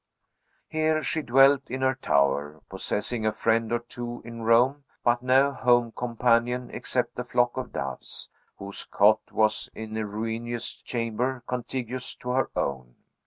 Here she dwelt, in her tower, possessing a friend or two in Rome, but no home companion except the flock of doves, whose cote was in a ruinous chamber contiguous to her own.